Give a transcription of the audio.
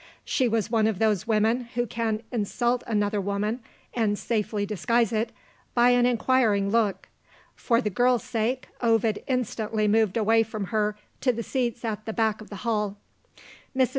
She was one of those women who can insult another woman (and safely disguise it) by an inquiring look. For the girl's sake, Ovid instantly moved away from her to the seats at the back of the hall. Mrs.